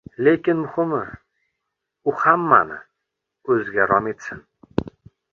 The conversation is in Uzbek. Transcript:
Lekin, muhimi, u hammani o‘ziga rom etsin.